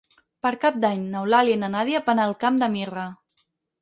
Per Cap d'Any n'Eulàlia i na Nàdia van al Camp de Mirra.